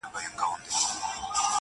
چي په رګونو کی ساه وچلوي!!